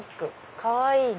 かわいいね。